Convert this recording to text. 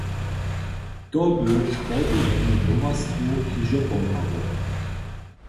To by sportowemu towarstwu hižo pomhało.